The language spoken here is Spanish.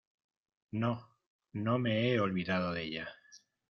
no, no me he olvidado de ella